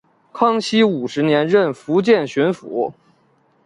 康熙五十年任福建巡抚。